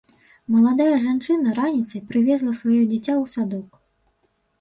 Маладая жанчына раніцай прывезла сваё дзіця ў садок.